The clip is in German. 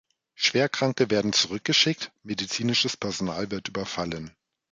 Schwerkranke werden zurückgeschickt, medizinisches Personal wird überfallen.